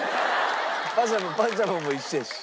パジャマパジャマも一緒やし。